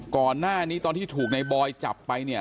ก่อนหน้านี้ตอนที่ถูกในบอยจับไปเนี่ย